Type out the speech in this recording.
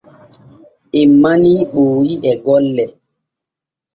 En manii Ɓooyi e gollo.